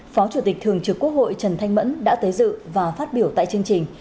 phó chủ tịch thường trực quốc hội trần thanh mẫn đã tới dự và phát biểu tại chương trình